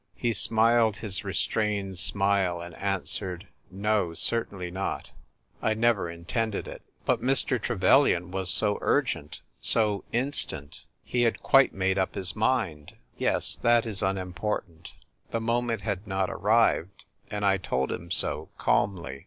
He smiled his restrained smile, and answered, " No, certainly not ; I never intended it." " But Mr. Trevelyan was so urgent, so instant ; he had quite made up his mind." M 170 THE TVI'E WKITKK CilRL. " Yes ; that is unimportant. The moment had not arrived, and 1 told him so, cahnly.